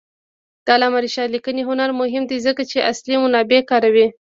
د علامه رشاد لیکنی هنر مهم دی ځکه چې اصلي منابع کاروي.